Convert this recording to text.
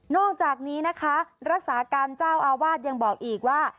อกจากนี้นะคะรักษาการเจ้าอาวาสยังบอกอีกว่า